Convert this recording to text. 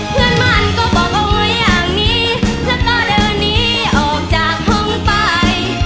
เพื่อนบ้านก็บอกเอาไว้อย่างนี้แล้วก็เดินหนีออกจากห้องไป